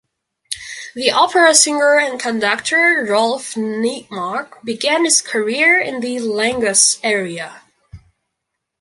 The Opera singer and conductor Rolf Nykmark began his career in the Langhus area.